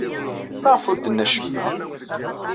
Maɣef ur d-tenni acemma?